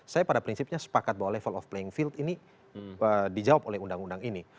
saya pada prinsipnya sepakat bahwa level of playing field ini dijawab oleh undang undang ini